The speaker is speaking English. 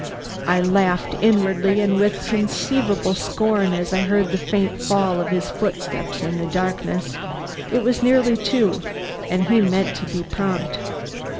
I laughed inwardly and with very conceivable scorn as I heard the faint fall of his footsteps in the darkness. It was nearly two and he meant to be prompt.